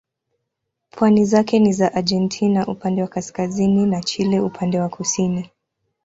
Pwani zake ni za Argentina upande wa kaskazini na Chile upande wa kusini.